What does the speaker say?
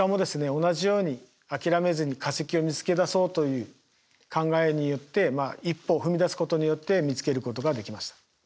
同じように諦めずに化石を見つけ出そうという考えによって一歩踏み出すことによって見つけることができました。